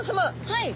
はい。